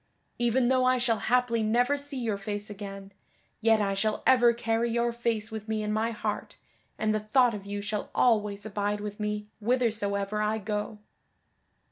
Even though I shall haply never see your face again, yet I shall ever carry your face with me in my heart, and the thought of you shall always abide with me withersoever I go."